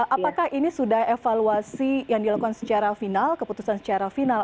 apakah ini sudah evaluasi yang dilakukan secara final keputusan secara final